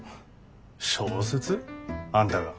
小説？あんたが？